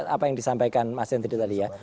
apa yang disampaikan mas henry tadi ya